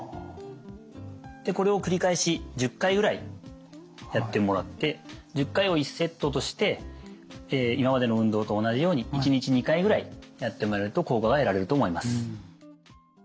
これを繰り返し１０回ぐらいやってもらって１０回を１セットとして今までの運動と同じように１日２回ぐらいやってもらえると効果が得られると思います。